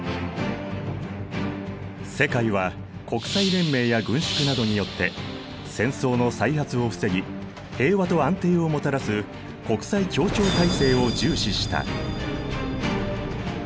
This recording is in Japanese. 世界は国際連盟や軍縮などによって戦争の再発を防ぎ平和と安定をもたらす国際協調体制を重視した。